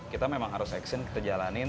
kita memang harus action kita jalanin